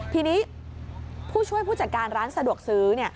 ทีนี้ผู้ช่วยผู้จัดการร้านสะดวกซื้อ